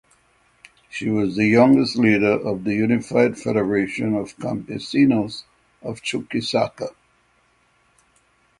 She was the youngest leader of the Unified Federation of Campesinos of Chuquisaca.